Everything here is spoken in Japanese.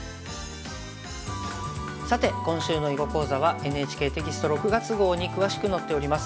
さて今週の囲碁講座はＮＨＫテキスト６月号に詳しく載っております。